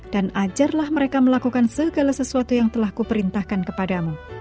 dan ajarlah mereka melakukan segala sesuatu yang telah kuperintahkan kepadamu